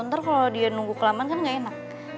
ntar kalau dia nunggu kelamaan kan gak enak